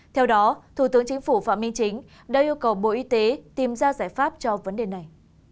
theo đó thủ tướng chính phủ phạm minh chính đã yêu cầu bộ y tế tìm ra giải pháp cho vấn đề này